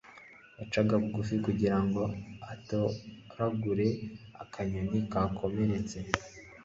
yacaga bugufi kugira ngo atoragure akanyoni kakomeretse.